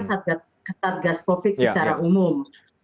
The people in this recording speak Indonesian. saat gas covid secara umum